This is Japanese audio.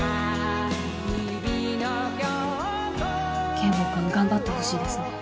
圭吾君頑張ってほしいですね。